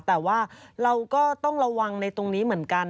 แต่ว่าเราก็ต้องระวังในตรงนี้เหมือนกัน